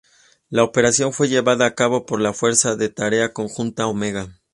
La operación fue llevada a cabo por la Fuerza de Tarea Conjunta Omega.